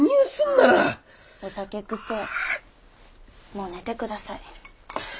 もう寝てください。